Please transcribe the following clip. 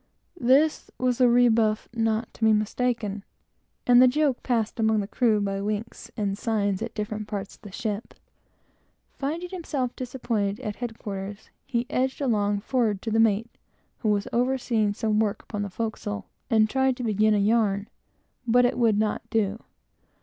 This was a rebuff not to be mistaken, and the joke passed about among the crew by winks and signs, at different parts of the ship. Finding himself disappointed at headquarters, he edged along forward to the mate, who was overseeing some work on the forecastle, and tried to begin a yarn; but it would not do.